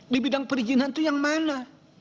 di bidang perizinan itu yang mana